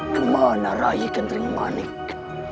kemana raya kendering manik